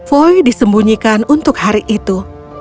voi disembunyikan untuk hari itu